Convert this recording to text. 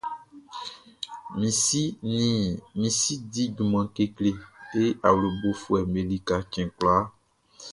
Min si di junman kekle e awlobofuɛʼm be lika cɛn kwlakwla.